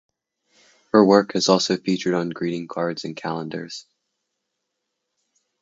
Her work has also featured on greeting cards and calendars.